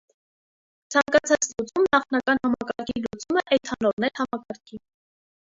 Ցանկացած լուծում նախնական համակարգի լուծում է էթանոլներ համակարգի։